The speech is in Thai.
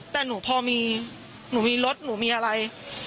แต่หนูพอมีหนูมีรถหนูมีอะไร